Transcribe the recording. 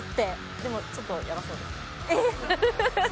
でも、ちょっとやばそうです。